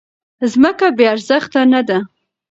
ځمکه بې ارزښته نه ده.